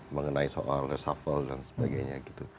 mengenai soal resafal dan sebagainya